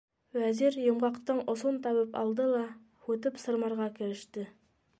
Вәзир йомғаҡтың осон табып алды ла һүтеп сырмарға кереште.